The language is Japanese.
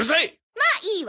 まあいいわ。